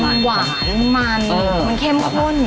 มันหวานมันมันเข้มข้น